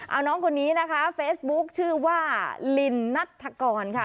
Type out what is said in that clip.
เอาน้องคนนี้นะคะเฟซบุ๊คชื่อว่าลินนัฐกรค่ะ